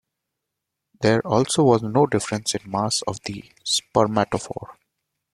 There also was no difference in mass of the spermatophore.